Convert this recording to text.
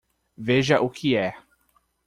Veja o que é